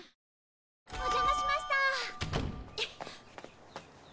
お邪魔しました！